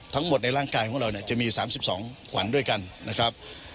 ในร่างกายของเราเนี่ยจะมี๓๒ขวัญด้วยกันนะครับ